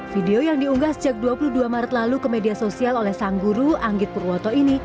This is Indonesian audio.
video yang diunggah sejak dua puluh dua maret lalu ke media sosial oleh sang guru anggit purwoto ini